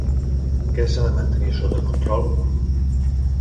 Què s'ha de mantenir sota control?